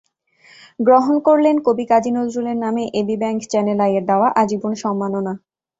গ্রহণ করলেন কবি কাজী নজরুলের নামে এবি ব্যাংক-চ্যানেল আইয়ের দেওয়া আজীবন সম্মাননা।